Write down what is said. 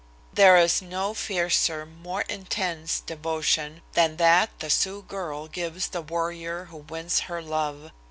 There is no fiercer, more intense, devotion than that the Sioux girl gives the warrior who wins her love.